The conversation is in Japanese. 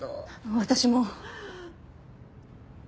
私も。